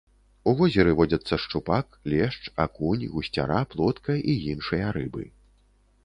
У возеры водзяцца шчупак, лешч, акунь, гусцяра, плотка і іншыя рыбы.